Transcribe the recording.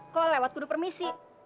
kalo lewat kuda permisi